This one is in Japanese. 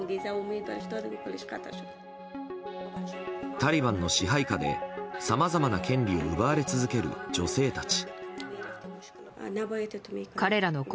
タリバンの支配下でさまざまな権利を奪われ続ける女性たち。